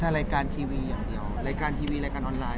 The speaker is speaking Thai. รายการทีวีอย่างเดียวรายการทีวีรายการออนไลน